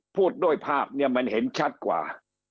พูดด้วยภาพเนี่ยมันเห็นชัดกว่า